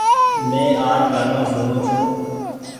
مين آج گآنآ سوڻو ڇون۔